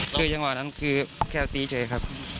คืออย่างน้อยนั้นแค่ตีเฉยครับ